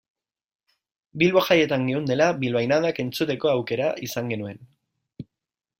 Bilbo jaietan geundela bilbainadak entzuteko aukera izan genuen.